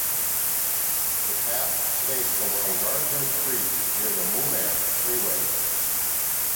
The path snakes along Gardiners Creek, near the Monash Freeway.